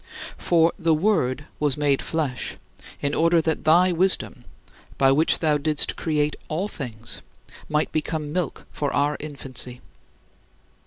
For "the Word was made flesh" in order that thy wisdom, by which thou didst create all things, might become milk for our infancy.